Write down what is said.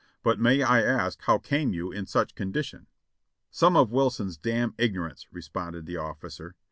But may I ask how came you in such condition?" "Some of Wilson's damn ignorance," responded the officer.